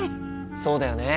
そうだよね。